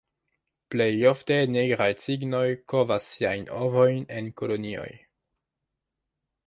Plej ofte Nigraj cignoj kovas siajn ovojn en kolonioj.